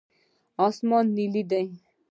اسمان نیلي دی.